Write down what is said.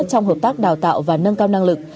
trong hợp tác đào tạo và nâng cao năng lực